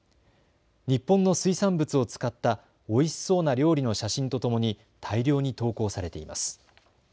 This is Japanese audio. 日本の水産物を使ったおいしそうな料理の写真とともに大量に投稿されています。